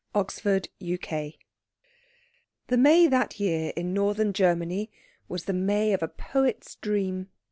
CHAPTER XX The May that year in Northern Germany was the May of a poet's dream.